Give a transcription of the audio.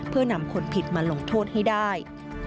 เพื่อนำคนผิดมาลงโทษให้ได้